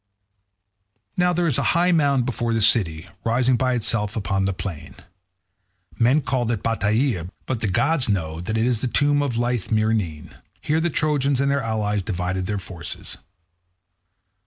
Now there is a high mound before the city, rising by itself upon the plain. Men call it Batieia, but the gods know that it is the tomb of lithe Myrine. Here the Trojans and their allies divided their forces.